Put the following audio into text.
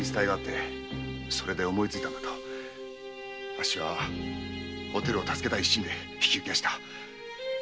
あっしはおてるを助けたい一心で引き受けました。